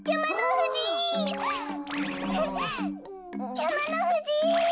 やまのふじ！